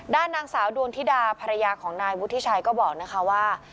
ด้านนางสาวดวงธิดาภรรยาของนายวุฒิชัยก็บอกนะคะว่า